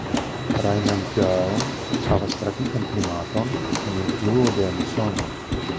Rajnandgaon havas tropikan klimaton kun influo de musono.